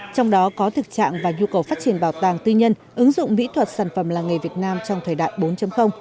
trong đó có thực trạng và nhu cầu phát triển bảo tàng tư nhân ứng dụng mỹ thuật sản phẩm làng nghề việt nam trong thời đại bốn